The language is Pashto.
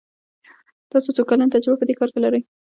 تاسو څو کلن تجربه په دي کار کې لری ؟